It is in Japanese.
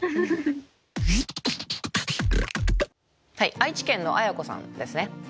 愛知県のあやこさんですね。